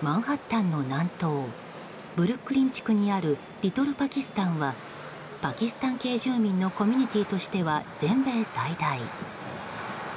マンハッタンの南東ブルックリン地区にあるリトルパキスタンはパキスタン系住民のコミュニティーとしては全米最大。